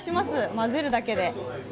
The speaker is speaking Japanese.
混ぜるだけで。